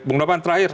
bung dapan terakhir